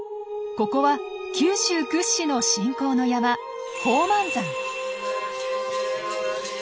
ここは九州屈指の信仰の山宝満山。